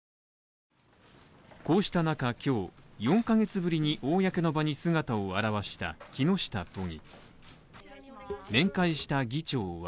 こうしたなか今日、４ヶ月ぶりに公の場に姿を現した木下都議。